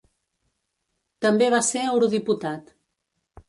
També va ser eurodiputat.